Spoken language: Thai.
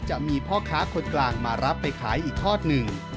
จะมีพ่อค้าคนกลางมารับไปขายอีกทอดหนึ่ง